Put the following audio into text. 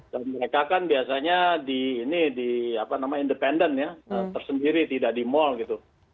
dan mereka kan biasanya di independen ya tersendiri tidak di mal gitu